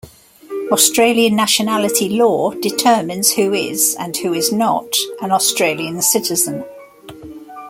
Australian nationality law determines who is and who is not an Australian citizen.